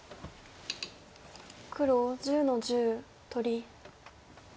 黒１０の十取り。